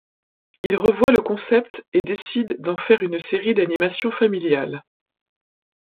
Il revoit le concept et décide d'en faire une série d'animation familiale.